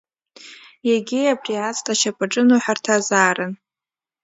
Егьи абри аҵла ашьапаҿы ныҳәарҭазаарын.